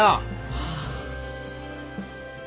はあ。